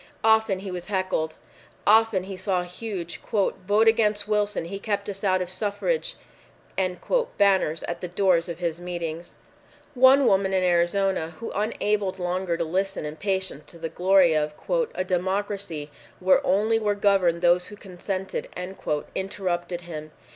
Often he was heckled. Often he saw huge "VOTE AGAINST WILSON! HE KEPT US OUT OF SUFFRAGE!" banners at the doors of his meetings. One woman in Arizona, who, unable longer to listen in patience to the glory of "a democracy where only were governed those who consented," interrupted him.